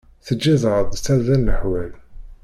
Teǧǧiḍ-aɣ-d tarda leḥwal.